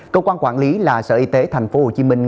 cơ quan quản lý là sở y tế thành phố hồ chí minh